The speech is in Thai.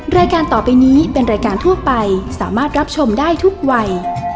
รายการต่อไปนี้เป็นรายการทั่วไปสามารถรับชมได้ทุกวัย